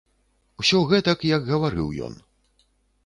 Усё гэтак, як гаварыў ён.